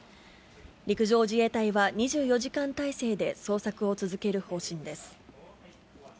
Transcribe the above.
陸上自衛隊は、２４時間態勢で捜索を続ける方針です。